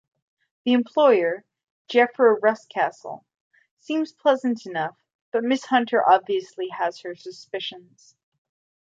The employer, Jephro Rucastle, seems pleasant enough, yet Miss Hunter obviously has her suspicions.